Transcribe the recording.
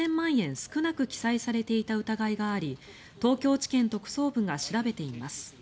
少なく記載されていた疑いがあり東京地検特捜部が調べています。